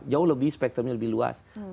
jauh lebih spektrumnya lebih luas